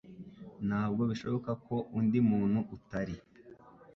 Ntabwo bishoboka ko undi muntu utari